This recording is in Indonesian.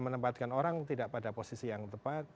menempatkan orang tidak pada posisi yang tepat